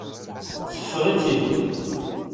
Seffeɣ-itt-id.